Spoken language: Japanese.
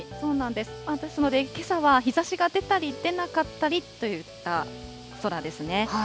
ですので、けさは日ざしが出たり出なかったりといった空ですね。